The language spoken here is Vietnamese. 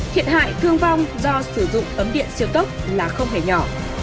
thiệt hại thương vong do sử dụng ấm điện siêu tốc là không hề nhỏ